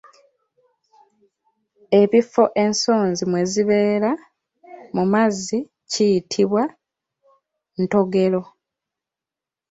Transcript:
Ebifo ensonzi mwe zibeera mu mazzi kiyitibwa Ntogero.